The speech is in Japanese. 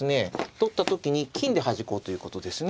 取った時に金ではじこうということですね。